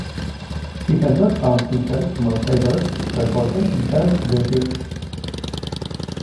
He had not found himself more favoured by fortune there than here.